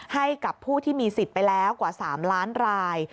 ให้กับผู้ที่มีสิทธิ์ไปแล้วกว่า๓ล้านราย